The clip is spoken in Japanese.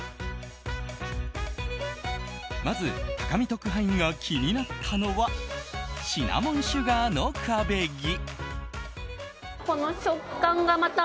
まず高見特派員が気になったのはシナモンシュガーのクァベギ。